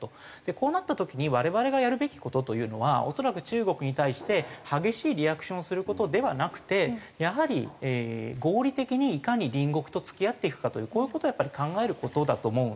こうなった時に我々がやるべき事というのは恐らく中国に対して激しいリアクションをする事ではなくてやはり合理的にいかに隣国と付き合っていくかというこういう事を考える事だと思うんですよね。